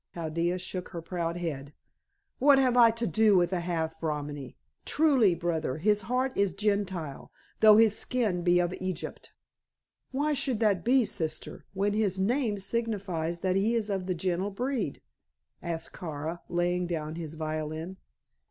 Chaldea shook her proud head. "What have I to do with the half Romany? Truly, brother, his heart is Gentile, though his skin be of Egypt." "Why should that be, sister, when his name signifies that he is of the gentle breed?" asked Kara, laying down his violin.